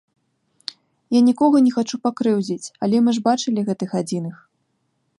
Я нікога не хачу пакрыўдзіць, але мы ж бачылі гэтых адзіных.